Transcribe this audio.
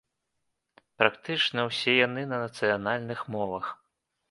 Практычна ўсе яны на нацыянальных мовах.